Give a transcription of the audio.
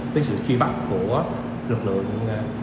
với sự truy bắt của lực lượng